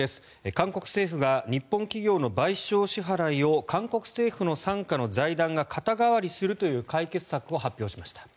韓国政府が日本企業の賠償支払いを韓国政府の傘下の財団が肩代わりするという解決策を発表しました。